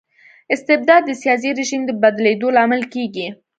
استبداد د سياسي رژيم د بدلیدو لامل کيږي.